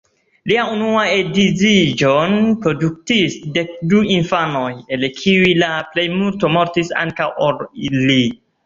Lia unua edziĝo produktis dekdu infanojn, el kiuj la plejmulto mortis antaŭ ol li.